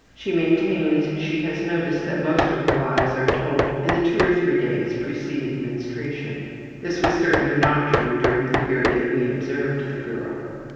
She maintains she has noticed that most of her lies are told in the two or three days preceding menstruation. (This was certainly not true during the period we observed the girl.)